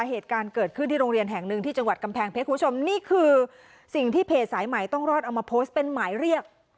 เหตุการณ์เกิดขึ้นที่โรงเรียนแห่งหนึ่งที่จังหวัดกำแพงเพชรคุณผู้ชมนี่คือสิ่งที่เพจสายใหม่ต้องรอดเอามาโพสต์เป็นหมายเรียก